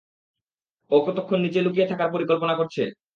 ও কতক্ষণ নিচে লুকিয়ে থাকার পরিকল্পনা করছে?